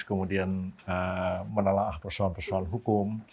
kemudian menelah persoalan persoalan hukum